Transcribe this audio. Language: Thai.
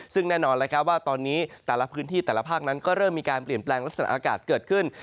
ซึ่งแน่นอนแล้วครับว่าตอนนี้แต่ละพื้นที่แต่ละภาคนั้นก็เริ่มมีการเปลี่ยนแปลงลักษณะอากาศเกิดขึ้น